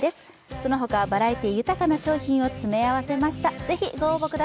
その他バラエティー豊かな商品を詰め合わせました。